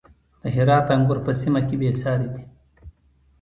د هرات انګور په سیمه کې بې ساري دي.